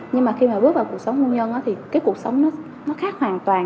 nhưng mà khi mà bước vào cuộc sống hôn nhân thì cái cuộc sống nó khác hoàn toàn